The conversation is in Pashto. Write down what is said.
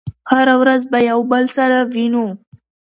هره ورځ به يو بل سره وينو